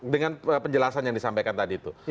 dengan penjelasan yang disampaikan tadi itu